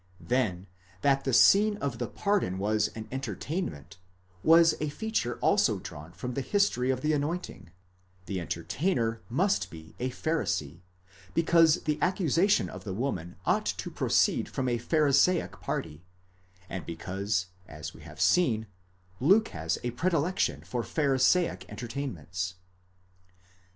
Then, that the scene of the pardon was an entertainment, was a feature also drawn from the history of the anointing : the entertainer must be a Pharisee, because the accusation of the woman ought to proceed from a Pharisaic party, and because, as we have seen, Luke has a predilection for Pharisaic entertainments.